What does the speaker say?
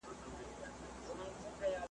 چي نه یو له بله وژني نه پښتون غلیم د ځان دی ,